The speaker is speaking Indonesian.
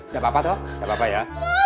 gak apa apa tuh gak apa apa ya